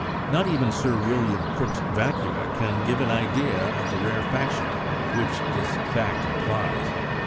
Not even Sir William Crookes's vacua can give an idea of the rarefaction which this fact implies.